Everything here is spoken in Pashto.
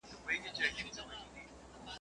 o اور د خپلي لمني لگېږي